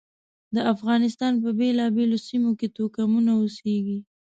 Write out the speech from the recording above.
د افغانستان په بېلابېلو سیمو کې توکمونه اوسېږي.